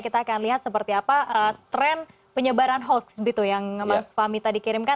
kita akan lihat seperti apa tren penyebaran hoax gitu yang mas fahmi tadi kirimkan